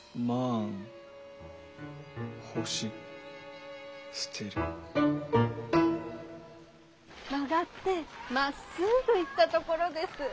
曲がってまっすぐ行ったところです。